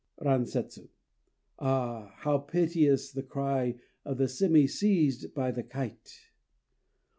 RANSETSU. Ah! how piteous the cry of the sémi seized by the kite!